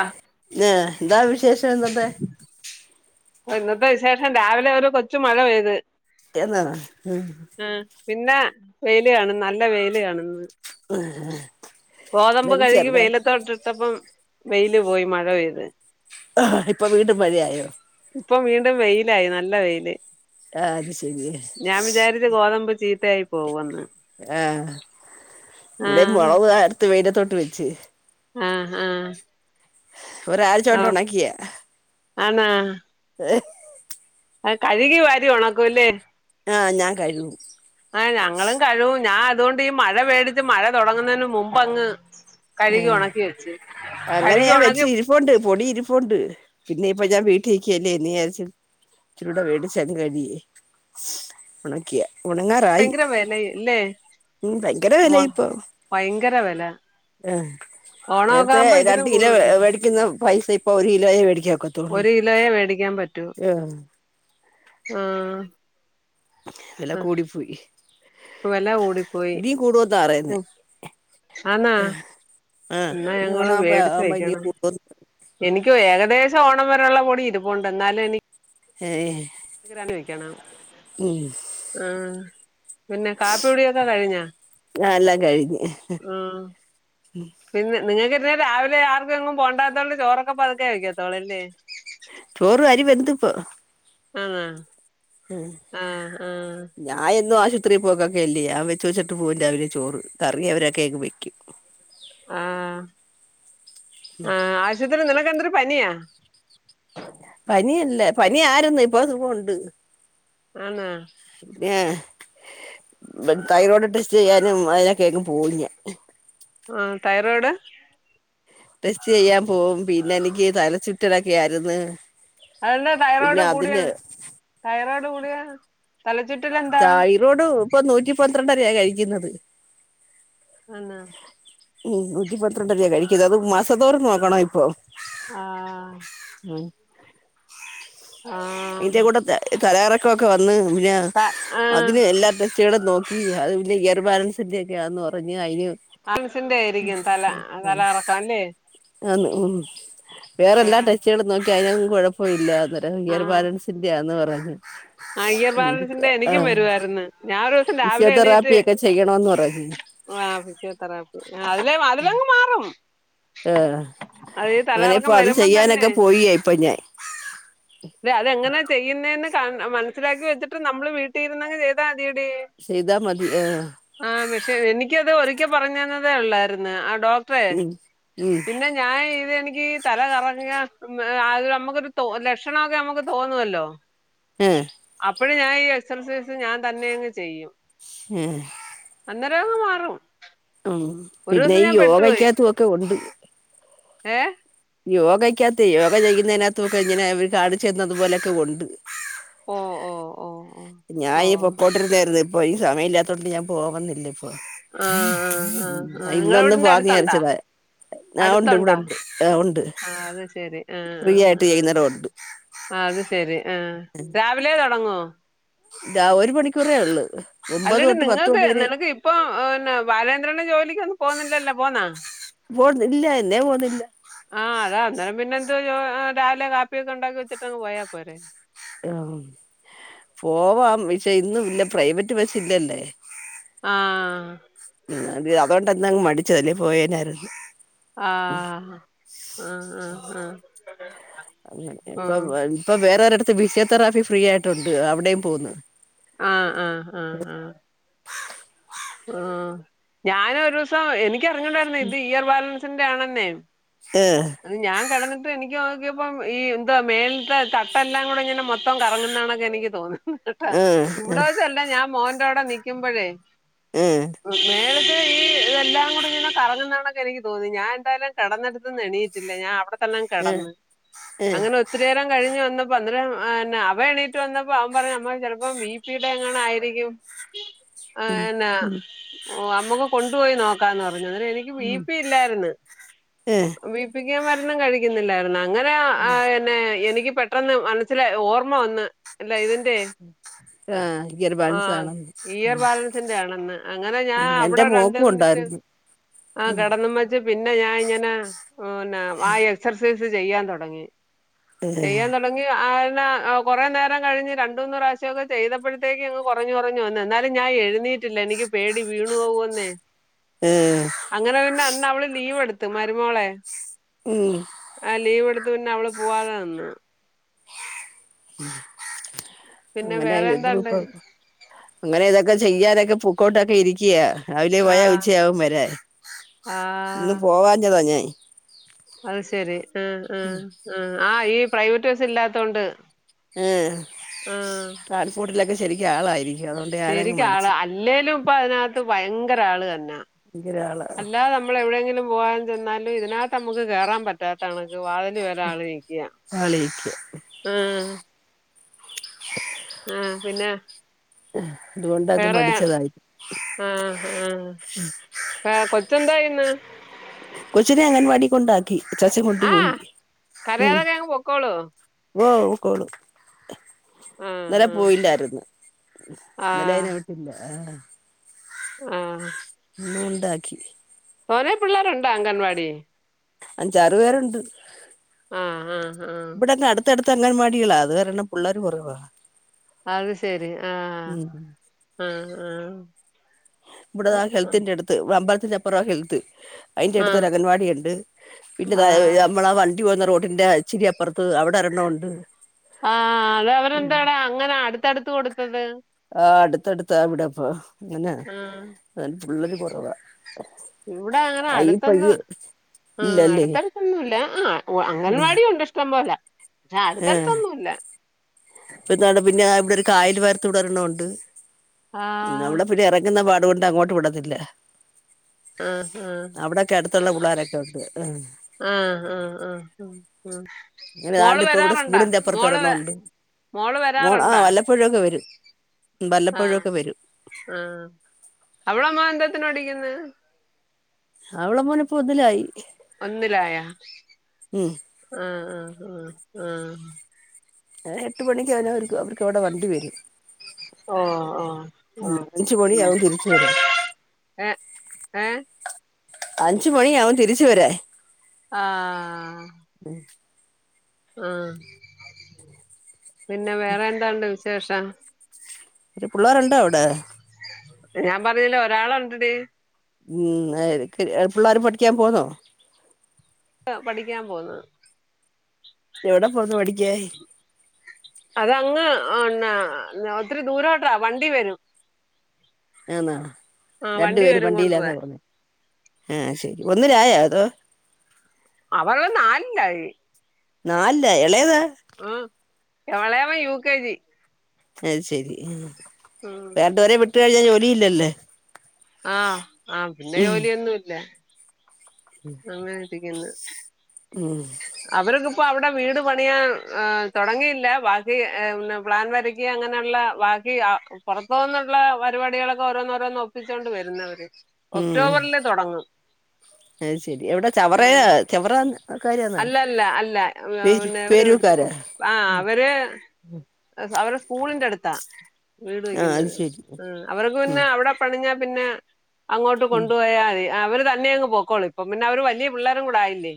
ആഹ് ഏഹ് എന്താ വിശേഷം ഇന്നത്തെ ഇന്നത്തെ വിശേഷം രാവിലെ ഒരു കൊച്ചു മഴ പെയ്ത് എന്ന് ആഹ് പിന്നെ വെയിൽ കാണും നല്ല വെയില് കാണും ഇന്ന് ഗോതമ്പ് ഇന്ന് കഴുകി ചെറുതായിട്ട് വെയിലത്തോട്ടിട്ടപ്പം വെയില് പോയി മഴ പെയ്ത് ഇപ്പൊ വീണ്ടും മഴയായോ ഇപ്പൊ വീണ്ടും വെയിലായി നല്ല വെയില് ആഹ് അത് ശരി ഞാൻ വിചാരിച്ച് ഗോതമ്പ് ചീത്തയായി പോവന്ന് ആഹ് ഇവിടെ ആഹ് മുളക് ആരത്ത് വെയിലത്തോട്ട് വെച്ച് ആഹ് ആഹ് ഒരാഴ്ച കൊണ്ട് ഉണക്കിയ ആണ ഏ ആഹ് കഴുകി വാരി ഉണക്കുവല്ലേ ആഹ് ഞാൻ കഴുകും ആഹ് ഞങ്ങളും കഴിവും ഞാൻ അതുകൊണ്ട് ഈ മഴ പേടിച്ച് മഴ തുടങ്ങുന്നതിന് മുൻപങ്ങ് കഴുകി ഉണക്കി വെച്ച് കഴുകി ഉണകി ഇപ്പണ്ട് പൊടി ഇരിപ്പണ്ട് പിന്നെ ഇപ്പ ഞാൻ വീട്ടിക്കല്ലെന്ന് വിചാരിച്ച് ഇച്ചിരൂടെ വേടിച്ചന്ന് കഴിയേ ഉണക്കിയ ഉണങ്ങാ റായി ഭയങ്കര വെലയില്ലേ ഉ ഭയങ്കര മൊ വിലായാ ഇപ്പൊ ഭയങ്കര വില ആഹ് നേരത്തെ ഇതിലും രണ്ട് കിലോ കൂടുമായിരിക്കും മേടിക്കുന്ന പൈസ ഇപ്പൊ ഒരു കിലോയെ മേടിക്കാൻ ഒക്കത്തുള്ളൂ ഒരു കിലോയെ മേടിക്കാൻ പറ്റൂ ആഹ് ആഹ് വില കൂടിപ്പോയി ഇപ്പ വെല ഓടിപ്പോയി ഇനിയും കൂടുമെന്നാ പറയുന്നേ ആന്നാ ആഹ് എന്നാ ഇനി ഞങ്ങള് ഓണാവുമ്പ മേടിച്ച് ആവുമ്പ ഇനി വയ്ക്കണം എനിക്ക് ഏകദേശം ഓണം വരെയുള്ള പൊടി ഇരിപ്പണ്ട് എന്നാലും എനിക്ക് ഏ ഏ ഒരാണ്ടിൽ വെക്കണം ഉം ആഹ് പിന്നെ കാപ്പി കുടിയൊക്കെ കഴിഞ്ഞാ എല്ലാം കഴിഞ്ഞ് ആ പിന്നെ നിങ്ങക്ക് ഇന്നാ രാവിലെ ആർക്കും എങ്ങും പോണ്ടാത്തോണ്ട് ചോറൊക്കെ പതുക്കെ വെക്കത്തൊള്ളു അല്ലേ ചോറ് അരി വെന്ത് ഇപ്പം ആഹ് ആഹ് ആഹ് ഞാൻ എന്നും ആശുപത്രി പോക്കക്കെ അല്ലേ അ വെച്ച് വച്ചിട്ട് പോവും രാവിലെ ചോറ് കറി എവരൊക്കെ ആയിക്കും വെക്കും ആഹ് ആഹ് ആശൂത്രി നിനക്കെന്തര് പനിയാ പനി അല്ല പനി ആയിരുന്നിപ്പോ സുഖോ ഉണ്ട് ആന്നാ ന്യാ ബ് തൈറോഡ് ടെസ്റ്റ് ചെയ്യാനും അയിനൊക്കെ അങ്ങ് പോവും ഞാൻ ആ തൈറോഡ് ടെസ്റ്റ് ചെയ്യാൻ പോവും പിന്നെ എനിക്ക് തല ചുറ്റലൊക്കെ ആരുന്ന് അതെന്താ തൈറോഡ് കൂടിയാ തൈറോഡ് കൂടിയാ തലച്ചുറ്റലെന്താ രുടും ഇപ്പൊ നൂറ്റി പന്ത്രണ്ടരായായി കഴിക്കുന്നത് ആന്നാ ഉം നൂറ്റി പന്ത്രണ്ടരയായി കഴിക്കുന്നത് അത് മാസതോറും നോക്കണം ഇപ്പൊ ആഹ് [inaudible] ആ ഹാ ഇന്റെ കൂട തല കറക്കോക്ക വന്ന് പിന്നെ ത ആഹ് അതിന് എല്ലാതെ കുട്ടികളെ നോക്കി അത് പിന്നെ ഇയർ ബാലൻസിന്റെക്കെ ആന്ന് പറഞ്ഞ് അയിന് ആ ൻസിന്റെ ആയിരിക്കും തല തല കറക്കം അല്ലേ ആന്ന് ഉം വേറെ എല്ലാ ആഹ് ടെസ്റ്റ്കളും നോക്കി അയിനൊന്നും കുഴപ്പം ഇല്ല അന്നേരം ഈയർ- ആഹ് ബാലൻസിന്റെയാന്ന് പറഞ്ഞു ആ ഇയർ ഉം ബാലൻസിന്റെ എനിക്കും ആഹ് - വരുവായിരുന്നു ഞാൻ ഒരു ദിവസം രാവിലെ ഫിസിയോതെറാപ്പിയെക്കെ ചെയ്യണോന്ന് പറഞ്ഞ് ആഹ് ഫിസിയോതെറാപ്പി അതില് അതിലെങ്ങ് മാറും വ് അത് ഈ അങ്ങനെ ഇപ്പൊ തലകറക്കം അത് വരുമ്പം തന്നെ ചെയ്യാനൊക്കെ പോയിയേ ഇപ്പൊ ഞാൻ തെ അതെങ്ങനാ ചെയ്യുന്നേന്ന് കാണ് മനസിലാക്കി വച്ചിട്ട് നമ്മള് വീട്ടിരുന്നങ്ങ് ചെയ്താ മതിയടി ചെയ്താ മതി ആഹ് - ആഹ് പക്ഷെ എനിക്കത് ഒരിക്കെ പറഞ്ഞന്നതേ ഒള്ളാരുന്ന് ആ ഡോക്ടറേ ഉം ഉം പിന്നെ ഞാൻ ഇത് എനിക്ക് തല കറങ്ങിയ മ് ആ നമ്മക്കൊരു തോ ലക്ഷണൊക്കെ നമുക്ക് തോന്നുവല്ലോ ആഹ് - അപ്പോഴ് ഞാനീ എക്സർസൈസ് ഞാൻ തന്നെയങ്ങ് ചെയ്യും ഏഹ് - അന്നേരങ്ങ് മാറും ഉം ഒരു പിന്നെ ദിവസം ഈ ഞാൻ യോഗക്കാത്തും ഒക്കെഒണ്ട് ഏഹ് യോഗക്കാത്തേ യോഗ ചെയ്യുന്നേനകത്തൊക്കെ ഇങ്ങനെ അവര് കാണിച്ചു തന്നതുപോലക്ക ഒണ്ട് ഓഹ് ഓഹ് - ഞാനീ പൊക്കോട്ടിരുന്നേരിന്ന് ഇപ്പൊ ഇനി സമയില്ലാത്തോണ്ട് ഞാൻ പോകുന്നില്ലേ ആ ആ ആ ആ നിങ്ങളെ ഇന്നൊന്ന് വീടിന്റെ അടുത്തുണ്ടാ പോവാനിരിച്ചതാ ആഹ് ഒണ്ട് ഇവിടെ അടുത്തുണ്ടാ ഒണ്ട് ആഹ് ഒണ്ട് ആ അത് ശരി ഫ്രീ ആയിട്ട് ചെയ്യുന്നടംഒണ്ട് ആഹ് അത് ശരി ആഹ് രാവിലെ തൊടങ്ങോ- ഇതാ ഒരു മണിക്കൂറേ ഒള്ളൂ അല്ലടി നിങ്ങൾക്ക് നിനക്ക് ഇപ്പൊ പിന്നെ ബാലേന്ദ്രണ്ണൻ ജോലിക്കൊന്നും പോവുന്നില്ലല്ലോ പോന്നാ- പോണ്ന്ന് ഇല്ല എന്നേ പോന്നില്ല ആഹ് അതാ അന്നേരം പിന്നെന്ത് ആഹ് രാവിലെ കാപ്പിയൊക്കെ ഒണ്ടാക്കി വെച്ചിട്ടങ്ങ് പോയാ പോരെ ആഹ് പോവാം വിശേ ഇന്ന് ഇല്ല പ്രൈവറ്റ് ബസ്സില്ലല്ലേ ആഹ് അത് അതുകൊണ്ടന്നാ അങ് മടിച്ചത് അല്ലേ പോയേനാര്ന്നു ആഹ് ആഹ് ആഹ് ആഹ് അങ്ങനെ ഇപ്പൊ ഇപ്പൊ വേറൊരടത്ത് ഫിസിയോതെറാപ്പി ഫ്രീ ആയിട്ടുണ്ട് അവിടേം പോവുന്ന് ആഹ് ആഹ് ആഹ് ആഹ് ആഹ് ഞാനൊരൂസം എനിക്കറിഞ്ഞൂടായ്ര്ന്നു ഇത് ഇയർ ബാലൻസിന്റെ ആണെന്നെ ആഹ് അത് ഞാം കെടന്ന്ട്ട് എനിക്ക് നോക്ക്യേപ്പം ഈ എന്താ മേലത്തെ തട്ടെല്ലാം കൂടെങ്ങനെ മൊത്തം കറങ്ങ്ന്നകണക്കെനിക്ക് തോന്നുന്നത് കേട്ടാ. ഇവടെ വെച്ചല്ല ഞാൻ മോന്റവടെ നിക്കുമ്പോഴേ ഉം മേളത്തേ ഈ- എല്ലാം കൂടിങ്ങനെ കറ ങ്ങുന്നകണക്കെനി തോന്നി ഞാനെന്തായാലും കെടന്നെടത്ത്ന് എണീറ്റില്ല ഞാൻ അവടെ- തന്നങ്ങ് കെടന്ന് അങ്ങനെ- ഒത്തിരി നേരം കഴിഞ്ഞ് വന്നപ്പോ അന്നെരം അവനെണീറ്റ് വന്നപ്പം അവം പറഞ്ഞു അമ്മേ ചെലപ്പോ ബി പി ടെ എങ്ങാണ്ടും ആയിരിക്കും ആയന്നാ ഞമ്മക്ക് കൊണ്ടുപോയി നോക്കാന്ന് പറഞ്ഞു അന്നേരം എനി ക്ക് ബ പി ഇല്ലായിര്ന്ന് ബി പ്പിക്ക് ഞാൻ മര്ന്നും കഴിക്ക്ന്നില്ലായിര്ന്ന് അങ്ങന പിന്നെ എനിക്ക് പെട്ടെന്ന് മനസ്സില് ഓർമ്മ വന്ന് അല്ല ഇതിന്റെ ഗിയർ ബാലൻസ് ആഹ് ആണെന്ന് ഇയർ ബാലൻസിന്റെ ആണെന്ന് അങ്ങനെ ഞാൻ എന്റെ അവടെ രണ്ട് മോക്കും മിനിറ്റ് ഉണ്ടായിരുന്നു ആഹ് കെടന്നും വെച്ച് പിന്നെ ഞാ ഇങ്ങനെ പിന്നെ വായ് എക്സർസൈസ് ചെയ്യാൻ തൊടങ്ങി ചെയ്യാൻ തൊ തൊടങ്ങി ആയേരം കൊറേ നേരം കഴിഞ്ഞ് രണ്ടൂന്ന് പ്രാവശ്യോക്കെ ചെയ്തപ്പഴത്തേക്കും അങ്ങ് - കൊറഞ്ഞു കൊറഞ്ഞു വന്ന് ന്നാലും ഞാഎഴ്തി റ്റില്ല എനിക്ക് പേടി വീണു പോവോന്നേ ഏഹ് അങ്ങനെ പിന്നെ അന്ന് അവള് ലീവ് എട്ത്ത് മരുമോളെ ഉം ആഹ് ലീവ് പിന്നെ അവള് പോവാതെ നിന്ന് പിന്നെ വേറെ അങ്ങനായി ത് എന്താണ്ട് ഇപ്പൊ അങ്ങനെ ഇതൊക്കെ ചെയ്യാനൊക്കെ പൂക്കോട്ടൊക്കെ ഇരിക്ക്യാ രാവിലെ പോയാ ആഹ് ഉച്ചയാവും വരാൻ ഇന്ന് ആഹ് പോവാഞ്ഞതാ ഞാൻ അത് ശെരി ആഹ് ആഹ് ആഹ് ആഹ് ഈ പ്രൈവറ്റ് ബസ്സില്ലാത്തോണ്ട്. ആഹ് കാഴിക്കോട്ടിലൊക്കെ ശെരിക്കും ആളായിരിക്കും അതുകൊണ്ട് ഞാനങ്ങ് ശെരിക്ക് ആള് മടിച്ചു അല്ലേലും ഇപ്പൊ അതിനകത്ത് ഭയങ്കര ആള്തന്നാ ഭയങ്കര ആളാ അല്ലാതെ നമ്മള് എവിടേങ്കിലും പോകാൻ ചെന്നാല് ഇതിനകത്ത് ഞമ്മക്ക് കേറാൻ പറ്റാത്ത കണക്ക് വാതില് വരാ ആള് നിക്ക ആളായിരിക്കും ആഹ് ആഹ് പിന്നെ അത് കൊണ്ടക്കെ വേറെ മടിച്ചതായിരിക്കും ആഹ് ആഹ് കൊച്ചെന്തായ്ന്ന് കൊച്ചിനെ അംഗൻവാടി കൊണ്ടാക്കി ചച്ച കൊണ്ട്പോയി ആഹ് ഉം കരയാതൊക്കെ അങ്ങ് പൊക്കോളൂ വോ പൊക്കോളും ഇന്നലെ ആഹ് ആഹ് പോയില്ലാര്ന്നു ഇന്നലെ ആഹ് അയിനെ വിട്ടില്ല ആഹ് ആഹ് ആഹ് ന്ന്കൊണ്ടാക്കി കൊറേ പിള്ളേര്ണ്ടോ അംഗൻവാടി അഞ്ചാറ് പേരൊണ്ട് ആഹ് ആഹ് ആഹ് അട്ത്തട്ത്ത് അങ്ങൻവാടികളാ അത് കാരണം പിള്ളാര് കൊറവാ. അത് ശരി ആഹ് ആഹ് ആഹ് ഇവിടെതാ ഹെൽത്തിന്റെ അടുത്ത് അമ്പലത്തിന്റെ അപ്പുറം ഹെൽത്ത് അതിന്റെ അടുത്ത് ആഹ് ഒരു അംഗൻവാടിയ ഉണ്ട് പിന്നെ ആഹ് നമ്മളാ വണ്ടി പോകുന്ന റോഡിന്റെ ചിരിയപ്പുറത്ത് അവിടെ എരണോണ്ട് ആഹ് അത അവരെ എന്താടാ അങ്ങനെ അടുത്തടുത്ത് കൊടുത്തത് ആഹ് അടുത്തടുത്താവിടപ്പൊ അങ്ങനെ ആഹ് അ പിള്ളര് കുറവാ ഇവിടെ അങ്ങനെ അടുത്തൊന്ന് അയിപ്പയ്യേ ആഹ് അടുത്തടുത്തൊന്നുമല്ല ആഹ് അംഗൻവാടിയണ്ട് ഇഷ്ടം പോല പക്ഷെ ഏ അടുത്തടുത്തൊന്നുമല്ല ഇപ്പ എന്ത പിന്നെ ഇവിടെ ഒരു കായൽ വേർത്ത് വിടരണണ്ട് ആഹ് നമ്മള പിന്നെ ഇറ ഇങ്ങെ പാടുകൊണ്ട് അങ്ങോട്ട് വിടത്തില്ല ആഹ് ആഹ് അവിടോക്കെ അടുത്തുള്ള പിള്ളോരൊക്കെ ഉണ്ട് ആഹ് ആഹ് ആ്ഹ് ഉ ഉ അങ്ങനെ മോള് ആണ്ട് ഇപ്പ ഇവിടെ വരാറുണ്ടാ മോള് വ മോള് മോ ആ വരാറുണ്ടാ വല്ലപ്പഴൊക്കെ വരും ആഹ് വല്ലപ്പഴൊക്കെ വരും ആഹ് അവവിളാമ്മ എന്താത്തിനോഓടിക്കന്ന് അവളെ മോനെ പൊന്നിലായി ഒന്നിലായ ആഹ് ആഹ് ആഹ് ആഹ് ഏഹ് എട്ട് മണിക്ക് അവ അവർക്ക് അവർക്ക്വിടെ വണ്ടി വരും ഓ ഓ അച്ച മണിയിയാവും തിരിച്ച വരെ ഏ ഏ അഞ്ച മണി ആവും തിരിച്ച വരാ ആഹ് ഉം ആഹ് പിന്നെ വേറെ എന്താണ്ട് വിശേഷം പിള്ളേരുണ്ടോ അവിടെ ഞാൻ പറഞ്ഞില്ലേ ഒരാള ഉണ്ടടി ഉ പിള്ളേർ പഠിക്കാൻ പോന്നോ പഠിക്കാൻ പോകുന്നത് എവിട പോന്ന് പഠിക്കാൻ അതങ്ങ് ഒത്തിരി ദൂരോട്ടാ വണ്ടി വരും ആന്നാ ആ രണ്ടു വണ്ടി പേരും വരും വണ്ടിയിലാന്ന കൊണ്ടുപോവാൻ പോന്നത് ആഹ ശരി ഒന്നിലായോ അതോ അവർ നാലിലായി നാലിലായി ഇളയതോ ഉ എവളെവ യു കെ ജി അത് ശരി ഉം രണ്ടുപേരെ വിട്ട കഴിഞ്ഞാൽ ജോലിയില്ലല്ലേ ആഹ ആഹ പിന്നെ ജോലിയൊന്നുംല്ല ഉം നന്ന വിരിക്കുന്നു ഉ [unintelligible] അവർക്കിപ്പ അവിടെ വീട് പണിയാൻ തുടങ്ങിയില്ല ബാക്കി പ്ലാൻ വര അങ്ങനെയുള്ള ബാക്കി പുറത്തു നിന്നുള്ള പരിപാടികളൊക്കെ ഓരോന്നോരോ നോപ്പിച്ചോണ്ട് വരുന്നവര് ഉം ഒക്ടോബറിൽ തുടങ്ങും അ ശരി എവിടെ ചവറ ഉം. ചവറ കാരാന്നാ അല്ല അല്ല അല്ല പേര് പിന്നെ അവരെടുത്ത പേരൂക്കാരാ ആ അവര് അവരെ സ്കൂളിന്റെ അടുത്താ വീട് ആഹ് അത് വെക്കുന്നത് ശരി അവർക്ക് ഉം പിന്നെ അവിടെ പണിഞ്ഞ പിന്നെ അങ്ങോട്ട് ഉം കൊണ്ടുപോയാൽ മതി അവര് തന്നെ പോക്കോളൂ ഇപ്പം പിന്നെ അവര് വലിയ പിള്ളോരും കൂടയില്ലേ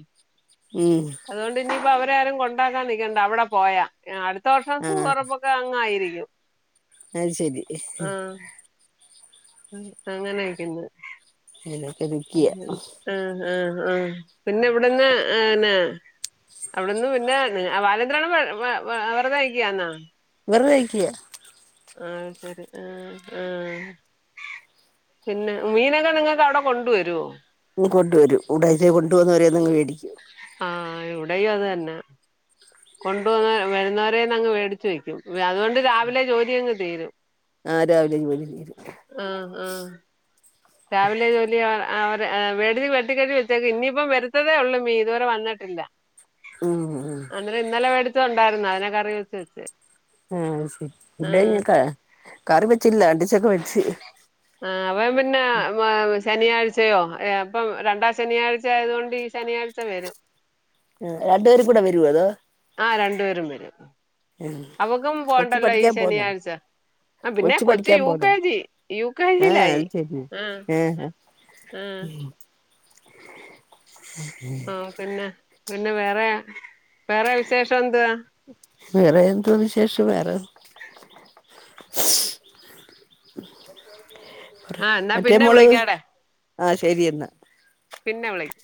ഉം അതുകൊണ്ട് ഇനിയിപ്പോ അവര ആരും കൊണ്ടാക്കാൻ നിൽക്കണ്ട അവിടെ പോയാ അടുത്ത വർഷം ആഹ് സ്കൂളുറപ്പൊക്കെ യിരിക്കും അത് ശരി അങ്ങനെ നിക്കുന്നു [unintelligible] ആഹ്ആഹ് ആഹ് പിന്നെ ഇവിടന്ന് ന്നെ അവിടന്ന് പിന്നെ ബാലചന്ദ്രനണ്ണൻ വെറു വെ വെറുതേ നിൽക്കുവാന്നോ? വെറുതേ നിക്കുവാ. ആഹ് ശരി ആഹ് ആഹ് പിന്നെ മീനൊക്കെ നിങ്ങക്ക് അവിടെ കൊണ്ടുവരുവോ? കൊണ്ടുവരും [unintelligible] കൊണ്ടുന്ന് ഓരോന്ന് അങ്ങ് മേടിക്കും. ആഹ് ഇവിടെയും അത് തന്നെ. കൊണ്ട പോന്ന വരുന്നവരെന്നങ്ങ് മേടിച്ചു വെക്കും. അതുകൊണ്ട് രാവിലെ ജോലി അങ്ങ് തീരും. ആ രാവിലെ ജോലിത്തീരും. ആഹ് ആഹ് രാവിലെ ജോലി അവർ വേട വെട്ടി കഴുകി വെച്ചേക്കുക. ഇനിയിപ്പം വരത്തതേ ഉള്ളൂ മീൻ ഇതുവരെ വന്നിട്ടില്ല. ഉം ഹ് അന്നേരം ഇന്നലെ മേടിച്ചതുണ്ടായിരുന്നു അതിനെക്കെറി വെച്ചുവച്ച് ആഹ് ഇവിടെ ഞാൻ കറി വെച്ചില്ല. കണ്ടിച്ചൊക്കെ വെച്ച്. ആഹ് അവൻപിന്നെ ശനിയാഴ്ചയോ അപ്പം രണ്ടാ ശനിയാഴ്ച ആയതകൊണ്ട് ശനിയാഴ്ച വരും. ഉം. രണ്ടു പേരുകൂടെ വരുവോ? അതോ? ആഹ് രണ്ടുപേരും വരും. അവക്കും കൊച്ച് പോണ്ടല്ലോ ഈ പഠിക്കാൻ പോന്നോ ശനിയാഴ്ച. ആ പിന്നെ കൊച്ചു കൊച്ച പഠിക്കാൻ യു പോണോ കെ ജി, യു കെ ആഹ് ജിയിലായി. അത് ശരി ആഹ് ആഹ് ആഹ് പിന്നെ പിന്നെ വേറെ വേറെ വിശേഷം എന്ത്? വേറെ എന്തോ വിശേഷം വേറെ ആ എന്നാ മറ്റേ പിന്നെ മോള് വിളിക്കാടെ ആഹ് ശരിയെന്നാ. പിന്നെ വിളിക്കാം.